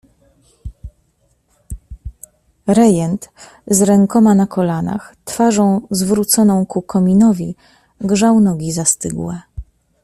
"Rejent, z rękoma na kolanach, twarzą, zwrócony ku kominowi, grzał nogi zastygłe."